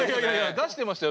出してましたよ